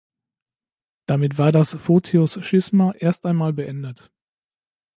Damit war das Photios-Schisma erst einmal beendet.